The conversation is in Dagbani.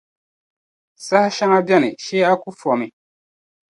Saha shɛŋa bɛni shɛɛ aku fɔmi.